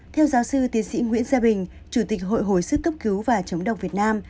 theo giáo sư tiến sĩ nguyễn gia bình chủ tịch hội hồi sức cấp cứu và chống độc việt nam